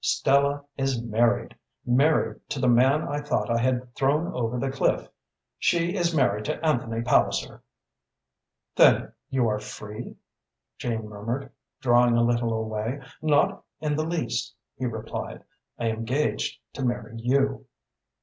Stella is married married to the man I thought I had thrown over the cliff. She is married to Anthony Palliser." "Then you are free?" Jane murmured, drawing a little away. "Not in the least," he replied. "I am engaged to marry you."